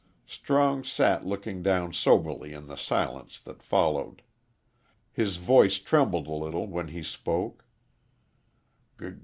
Strong sat looking down soberly in the silence that followed. His voice trembled a little when he spoke.